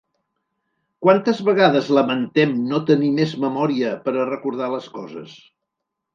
Quantes vegades lamentem no tenir més memòria per a recordar les coses?